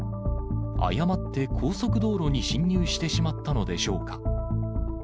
誤って高速道路に進入してしまったのでしょうか。